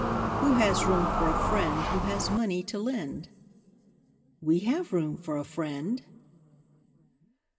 Who has room for a friend Who has money to lend? We have room for a friend!